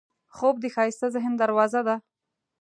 خوب د ښایسته ذهن دروازه ده